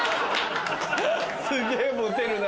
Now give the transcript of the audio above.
すげぇモテるな。